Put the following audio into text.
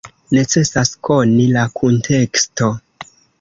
Necesas koni la kunteksto.